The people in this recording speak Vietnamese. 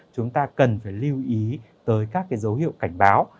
chúng ta cần phải lưu ý tới các cái dấu hiệu cảnh báo